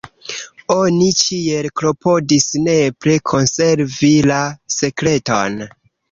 Oni ĉiel klopodis nepre konservi la sekreton.